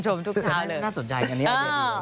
ชมทุกครั้งน่าสนใจกันเนี่ย